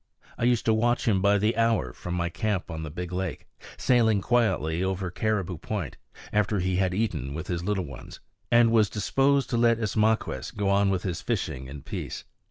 I used to watch him by the hour from my camp on the big lake, sailing quietly over Caribou Point, after he had eaten with his little ones, and was disposed to let Ismaquehs go on with his fishing in peace.